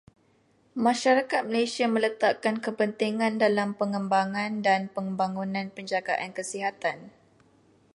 Masyarakat Malaysia meletakkan kepentingan dalam pengembangan dan pembangunan penjagaan kesihatan.